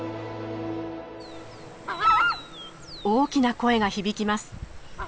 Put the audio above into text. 大きな声が響きます。